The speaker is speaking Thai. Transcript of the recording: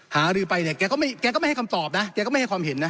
หารือไปเนี่ยแกก็ไม่ให้คำตอบนะแกก็ไม่ให้ความเห็นนะ